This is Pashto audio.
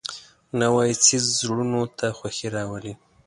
نوی څېز زړونو ته خوښي راولي